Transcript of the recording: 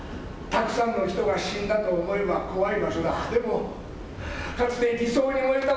たくさんの人が死んだと思えば怖い場所だ。